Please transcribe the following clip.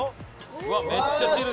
うわっめっちゃ汁出てる。